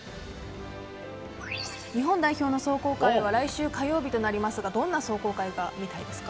日本代表の壮行会は来週火曜日となりますがどんな壮行会が見たいですか？